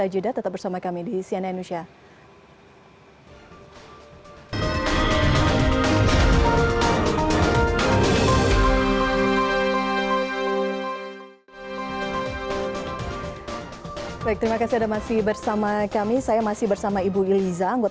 jadi dari apa yang